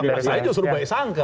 saya justru baik sangka